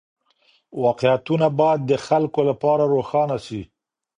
واقعيتونه بايد د خلګو لپاره روښانه سي.